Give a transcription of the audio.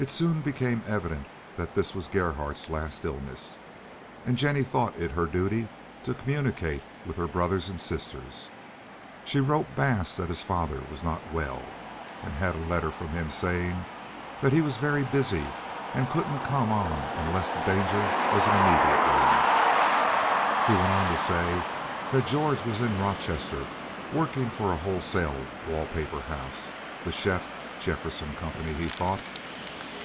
It soon became evident that this was Gerhardt's last illness, and Jennie thought it her duty to communicate with her brothers and sisters. She wrote Bass that his father was not well, and had a letter from him saying that he was very busy and couldn't come on unless the danger was an immediate one. He went on to say that George was in Rochester, working for a wholesale wall paper house—the Sheff Jefferson Company, he thought.